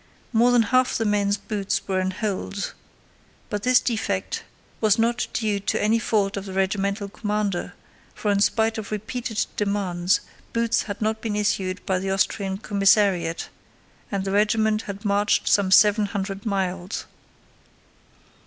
More than half the men's boots were in holes. But this defect was not due to any fault of the regimental commander, for in spite of repeated demands boots had not been issued by the Austrian commissariat, and the regiment had marched some seven hundred miles.